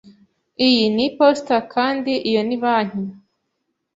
Iyi ni iposita kandi iyo ni banki.